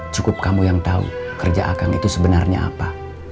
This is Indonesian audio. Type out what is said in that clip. cukup kamu yang tahu kerja akang itu sebenarnya apa